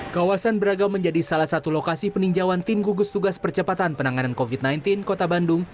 kawasan beragam menjadi salah satu lokasi peninjauan tim gugus tugas percepatan penanganan covid sembilan belas kota bandung